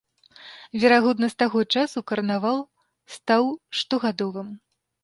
Верагодна з таго часу карнавал стаў штогадовым.